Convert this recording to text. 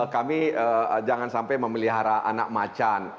kami jangan sampai memelihara anak macan